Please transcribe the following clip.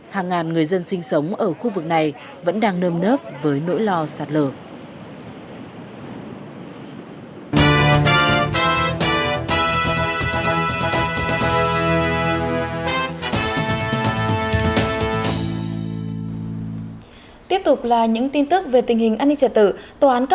hàng ngàn người dân sinh sống ở khu vực này vẫn đang nơm nớp với nỗi lo sạt lở